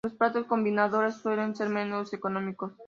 Los platos combinados suelen ser menús económicos.